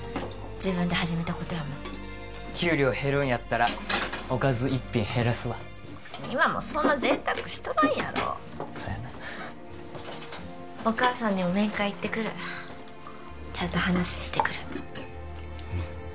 自分で始めたことやもん給料減るんやったらおかず一品減らすわ今もそんな贅沢しとらんやろそやなお母さんにも面会行ってくるちゃんと話してくるうん